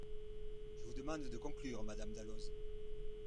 Je vous demande de conclure, madame Dalloz.